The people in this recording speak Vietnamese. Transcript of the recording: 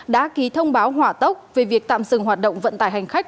đã ký thông báo hỏa tốc về việc tạm dừng hoạt động vận tải hành khách